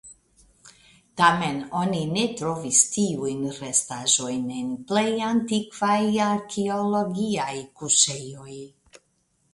Tamen oni ne trovis tiujn restaĵojn en plej antikvaj arkeologiaj kuŝejoj.